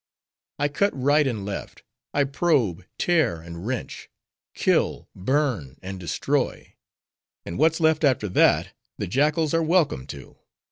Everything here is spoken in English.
I cut right and left; I probe, tear, and wrench; kill, burn, and destroy; and what's left after that, the jackals are welcome to.